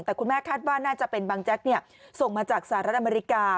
แต่คุณแม่คาดว่าน่าจะเป็นบางแจ๊กส่งมาจากสหรัฐอเมริกา